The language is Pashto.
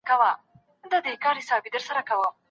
د اولادونو د تربيت لپاره څه مهم دي؟